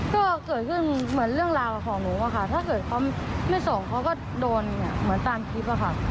ก็เกิดขึ้นเหมือนเรื่องราวของหนูอะค่ะถ้าเกิดเขาไม่ส่งเขาก็โดนเหมือนตามคลิปอะค่ะ